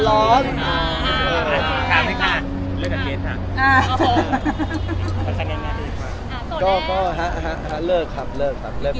อ๋อน้องมีหลายคน